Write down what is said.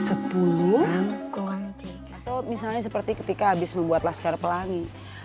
atau misalnya seperti ketika habis membuat laskar pelangi